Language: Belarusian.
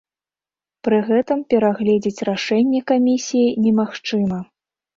Пры гэтым перагледзіць рашэнне камісіі немагчыма.